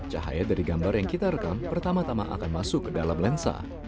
cahaya dari gambar yang kita rekam pertama tama akan masuk ke dalam lensa